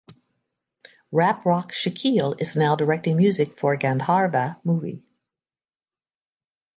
Rap Rock Shakeel is now Directing Music for Gandharva movie.